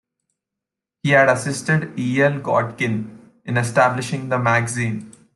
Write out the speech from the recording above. He had assisted E. L. Godkin in establishing the magazine.